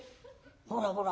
ほらほら